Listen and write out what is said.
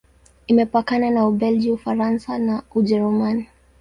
Imepakana na Ubelgiji, Ufaransa na Ujerumani.